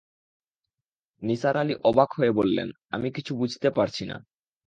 নিসার আলি অবাক হয়ে বললেন, আমি কিছু বুঝতে পারছি না।